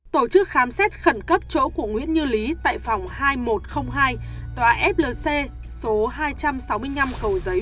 tổ chức khám xét khẩn cấp chỗ của nguyễn như lý tại phòng hai nghìn một trăm linh hai tòa flc số hai trăm sáu mươi năm cầu giấy